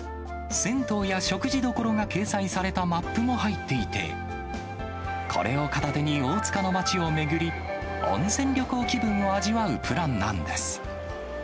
銭湯や食事処が掲載されたマップも入っていて、これを片手に、大塚の街を巡り、温泉旅行気分を味わうプランなんです。